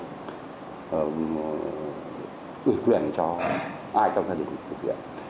gửi quyền cho ai trong gia đình gửi quyền